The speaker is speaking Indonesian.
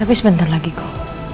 tapi sebentar lagi kok